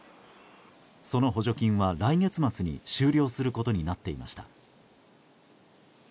その補助金は来月末に終了することになっていました。